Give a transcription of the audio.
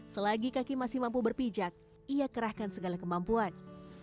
selagi kaki masih mampu berpijak ia kerahkan segala kemampuan